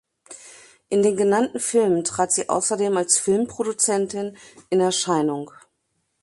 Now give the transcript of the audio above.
In den genannten Filmen trat sie außerdem als Filmproduzentin in Erscheinung.